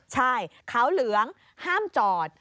ใช่ขาวเหลืองห้ามจอด